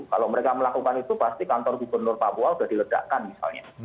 kalau mereka melakukan itu pasti kantor gubernur papua sudah diledakkan misalnya